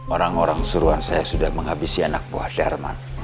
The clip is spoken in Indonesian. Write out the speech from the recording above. orang orang suruhan saya sudah menghabisi anak buah darman